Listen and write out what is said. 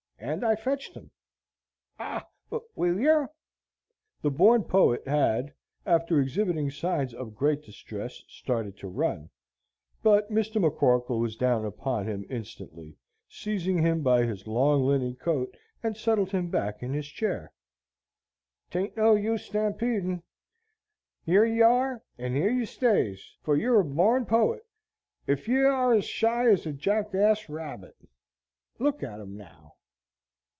And I fetched him. Ah, will yer?" The born poet had, after exhibiting signs of great distress, started to run. But Mr. McCorkle was down upon him instantly, seizing him by his long linen coat, and settled him back in his chair. "Tain't no use stampeding. Yer ye are and yer ye stays. For yer a borned poet, ef ye are as shy as a jackass rabbit. Look at 'im now!"